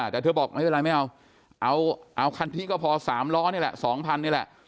แต่เธอบอกไม่เป็นไรไม่เอาเอาคันที่ก็พอ๓ล้อนี่แหละ๒๐๐นี่แหละ